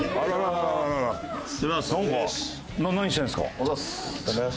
おはようございます。